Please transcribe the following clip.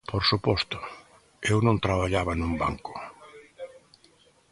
Por suposto, eu non traballaba nun banco.